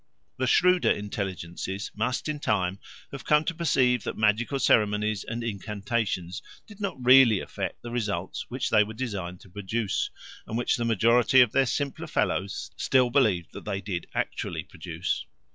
The shrewder intelligences must in time have come to perceive that magical ceremonies and incantations did not really effect the results which they were designed to produce, and which the majority of their simpler fellows still believed that they did actually produce.